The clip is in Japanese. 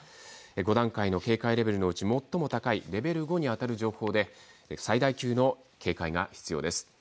５段階の警戒レベルのうち最も高いレベル５にあたる情報で最大級の警戒が必要です。